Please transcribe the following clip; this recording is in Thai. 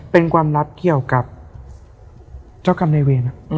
เป็นความลับเกี่ยวกับเจ้ากรรมในเวร